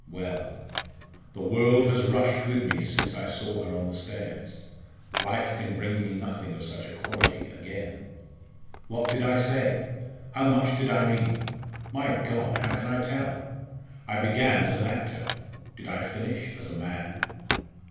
Well! the world has rushed with me since I saw her on the stairs; life can bring me nothing of such a quality again. What did I say? how much did I mean? My God! how can I tell? I began as an actor, did I finish as a man?"